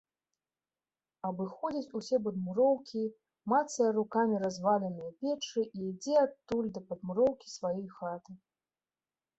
Абыходзіць усе падмуроўкі, мацае рукамі разваленыя печы і ідзе адтуль да падмуроўкі сваёй хаты.